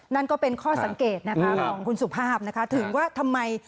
นั่นก็เป็นข้อสังเกตนะคะของคุณสุภาพนะคะถึงว่าทำไม